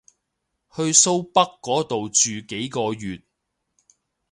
去蘇北嗰度住幾個月